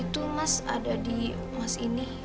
itu mas ada di mas ini